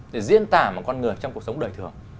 để diễn tả một con người trong cuộc sống đời thường